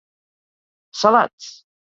Salats!